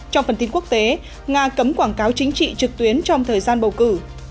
trong phần tin quốc tế nga cấm quảng cáo chính trị trực tuyến trong thời gian bầu cử